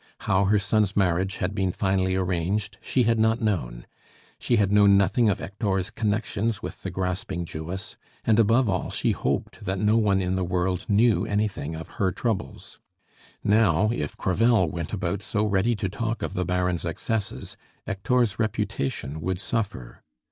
How her son's marriage had been finally arranged she had not known; she had known nothing of Hector's connection with the grasping Jewess; and, above all, she hoped that no one in the world knew anything of her troubles. Now, if Crevel went about so ready to talk of the Baron's excesses, Hector's reputation would suffer.